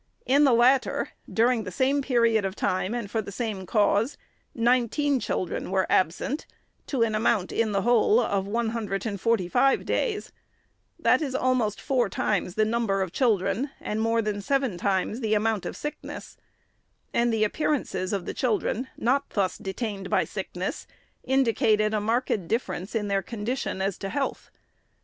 In the latter, during the same period of time and for the same cause, nineteen children were absent, to an amount in the whole of one hundred and forty five days ;— that is almost four times the num ber of children, and more than seven times the amount of sickness ; and the appearances of the children not thus detained by sickness, indicated a marked difference in their condition as to health.